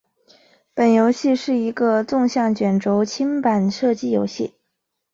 本游戏是一个纵向卷轴清版射击游戏。